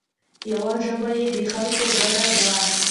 یوه ژبه یې د خلکو ګډه ده.